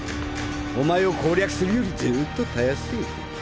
お前を攻略するよりずっとたやすい。